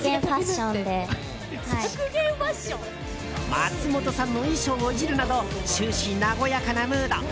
松本さんの衣装をいじるなど終始和やかなムード。